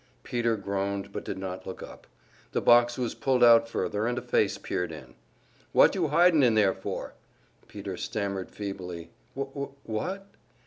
Peter groaned, but did not look up. The box was pulled out further, and a face peered in. "What you hidin' in there for?" Peter stammered feebly: "Wh wh what?"